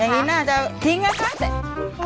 อย่างนี้น่าจะทิ้งนะคะ